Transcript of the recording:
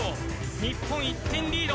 日本、１点リード。